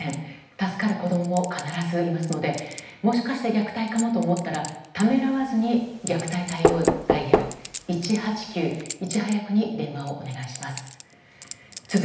助かる子供も必ずいますのでもしかして虐待かもと思ったらためらわずに虐待対応ダイヤルに電話をお願いします。